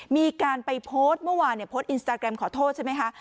มีการไปโพสต์เมื่อวานโพสต์อินสตาแกรมขอโทษใช่ไหมคะ